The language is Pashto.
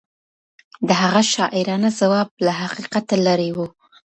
د هغه شاعرانه ځواب له حقیقته لرې و.